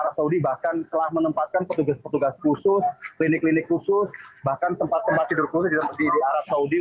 arab saudi bahkan telah menempatkan petugas petugas khusus klinik klinik khusus bahkan tempat tempat tidur khusus di arab saudi